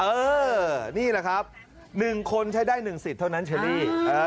เออนี่แหละครับ๑คนใช้ได้๑สิทธิ์เท่านั้นเชอรี่